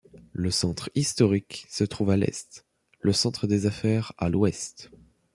Le centre historique se trouve à l'est, le centre des affaires à l'ouest.